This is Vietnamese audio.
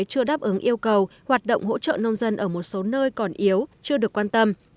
chưa đáp ứng yêu cầu hoạt động hỗ trợ nông dân ở một số nơi còn yếu chưa được quan tâm